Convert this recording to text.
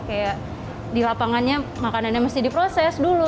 kayak di lapangannya makanannya mesti diproses dulu